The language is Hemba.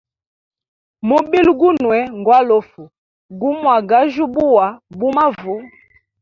Mubili Gunwe ngwalufu, gumwagajyubuwa bu mavu.